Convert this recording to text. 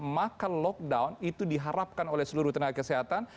maka lockdown itu diharapkan oleh seluruh tenaga kesehatan